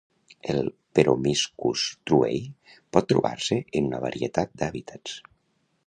El "Peromyscus truei" pot trobar-se en una varietat d'hàbitats.